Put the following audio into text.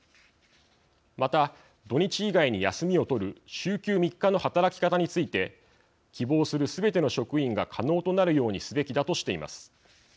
また、土日以外に休みを取る週休３日の働き方について希望する、すべての職員が可能となるようにすべきだとしています。